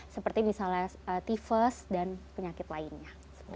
seperti misalnya tifus dan penyakit lainnya